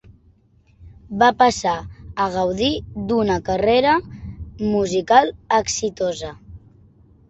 Va passar a gaudir d'una carrera musical exitosa.